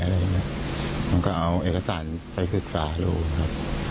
น้องชายก็เอาเอกสารไปศึกษาลูกครับ